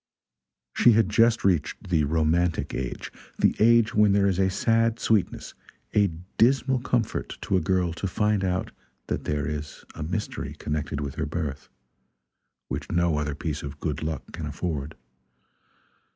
She had just reached the romantic age the age when there is a sad sweetness, a dismal comfort to a girl to find out that there is a mystery connected with her birth, which no other piece of good luck can afford.